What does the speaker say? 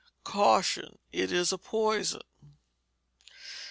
Caution. It is a poison.